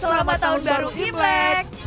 selamat tahun baru imlek